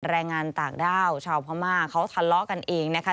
แรงงานต่างด้าวชาวพม่าเขาทะเลาะกันเองนะคะ